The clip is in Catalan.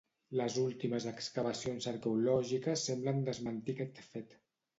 Les últimes excavacions arqueològiques semblen desmentir aquest fet.